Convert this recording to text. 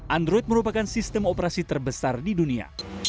android merupakan sistem operasi terbesar di dunia